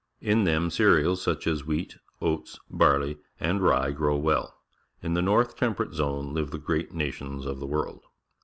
In them cereals, such as wheat, oats, barley, and rye, grow well. In the North Temperate Zone live the great nations of the world.